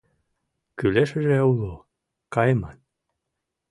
Кӱлешыже уло — кайыман.